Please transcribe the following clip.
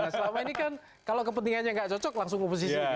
selama ini kan kalau kepentingannya nggak cocok langsung oposisi